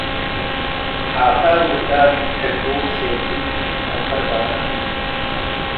ዓሳር ውላድ ሕልቡብ ሼቲት ደምበር ባነ፣